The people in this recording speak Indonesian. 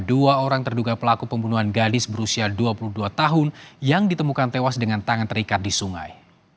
dua orang terduga pelaku pembunuhan gadis berusia dua puluh dua tahun yang ditemukan tewas dengan tangan terikat di sungai